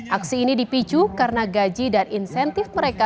aksi ini dipicu karena gaji dan insentif mereka